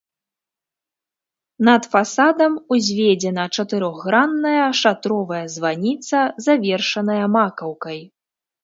Над фасадам узведзена чатырохгранная шатровая званіца, завершаная макаўкай.